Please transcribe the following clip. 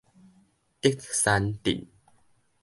竹山鎮